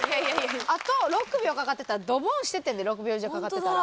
あと６秒かかってたらドボンしててんで６秒以上かかってたら。